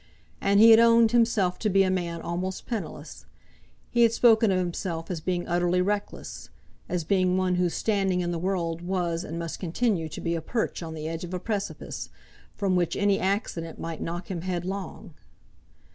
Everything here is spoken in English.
And he had owned himself to be a man almost penniless; he had spoken of himself as being utterly reckless, as being one whose standing in the world was and must continue to be a perch on the edge of a precipice, from which any accident might knock him headlong.